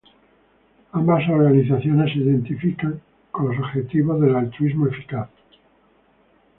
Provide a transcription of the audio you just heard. Ambas organizaciones se identifican con los objetivos del altruismo eficaz.